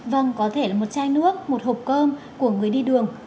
vâng có thể là một chai nước một hộp cơm của người đi đường